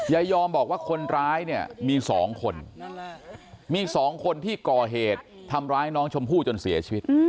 ยายอมบอกว่าคนร้ายเนี่ยมี๒คนมี๒คนที่ก่อเหตุทำร้ายน้องชมพู่จนเสียชีวิต